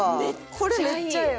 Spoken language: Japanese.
これめっちゃええわ。